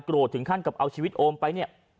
ถึงขั้นกับเอาชีวิตโอมไปเนี่ย